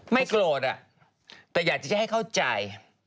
ไม่โกรธอะแต่อยากจะให้เข้าใจ